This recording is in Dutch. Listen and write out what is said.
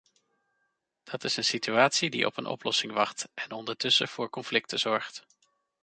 Dat is een situatie die op een oplossing wacht, en ondertussen voor conflicten zorgt.